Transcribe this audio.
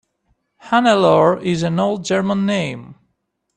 Hannelore is an old German name.